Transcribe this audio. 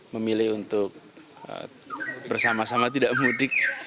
memilih untuk bersama sama tidak mudik